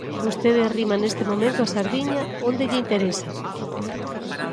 Vostede arrima neste momento a sardiña onde lle interesa.